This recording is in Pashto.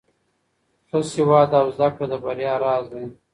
ښه سواد او زده کړه د بریا راز دی.